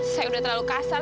saya udah terlalu kasar